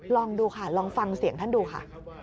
ลองดูค่ะลองฟังเสียงท่านดูค่ะ